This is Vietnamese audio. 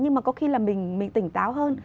nhưng mà có khi là mình tỉnh táo hơn